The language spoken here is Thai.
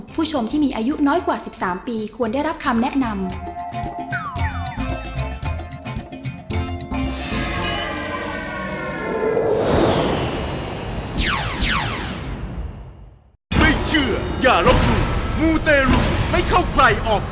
ผู้ชมที่มีอายุน้อยกว่า๑๓ปีควรได้รับคำแนะนำ